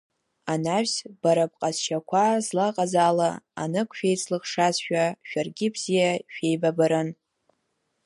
Анаҩс, бара бҟазшьақәа злаҟаз ала, анык шәеицлыхшазшәа шәаргьы бзиа шәеибабарын…